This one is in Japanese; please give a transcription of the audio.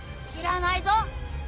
知らないぞ。